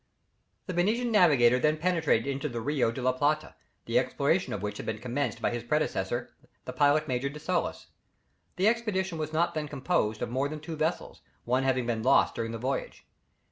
The Venetian navigator then penetrated into the Rio de la Plata, the exploration of which had been commenced by his predecessor the Pilot major de Solis. The expedition was not then composed of more than two vessels, one having been lost during the voyage.